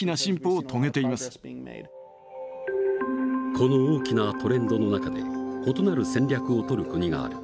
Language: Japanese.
この大きなトレンドの中で異なる戦略をとる国がある。